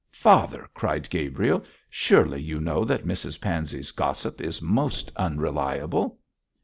'Father!' cried Gabriel, 'surely you know that Mrs Pansey's gossip is most unreliable.'